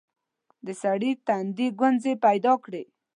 د سړي تندي ګونځې پيداکړې.